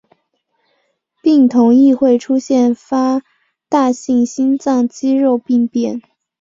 病童亦会出现发大性心脏肌肉病变。